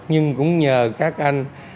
nhưng cũng nhờ các anh